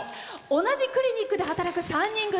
同じクリニックで働く３人組。